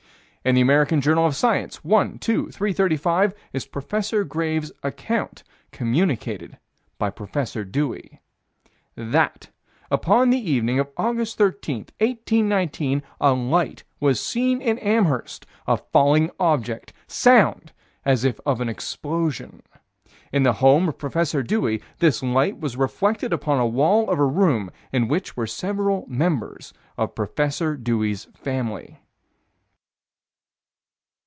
In the American Journal of Science, 1 2 335, is Professor Graves' account, communicated by Professor Dewey: That, upon the evening of August 13, 1819, a light was seen in Amherst a falling object sound as if of an explosion. In the home of Prof. Dewey, this light was reflected upon a wall of a room in which were several members of Prof. Dewey's family.